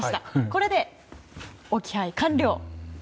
これで置き配完了です。